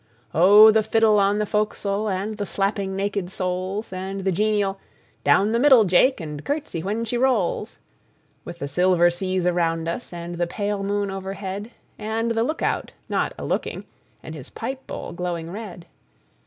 O! the fiddle on the fo'c's'le, and the slapping naked soles, And the genial ' Down the middle Jake, and curtsey when she rolls! ' A BALLAD OF JOHN SILVER 73 With the silver seas around us and the pale moon overhead, And .the look out not a looking and his pipe bowl glowing red.